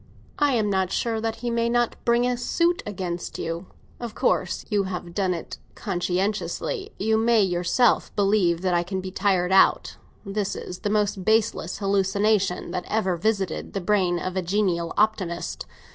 I'm not sure that he may not bring a suit against you. Of course you have done it conscientiously; you have made yourself believe that I can be tired out. This is the most baseless hallucination that ever visited the brain of a genial optimist.